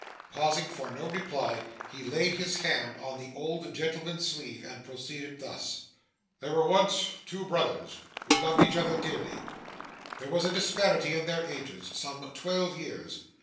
Pausing for no reply, he laid his hand on the old gentleman's sleeve, and proceeded thus: 'There were once two brothers, who loved each other dearly. There was a disparity in their ages some twelve years.